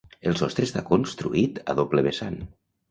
El sostre està construït a doble vessant.